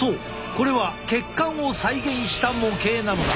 これは血管を再現した模型なのだ。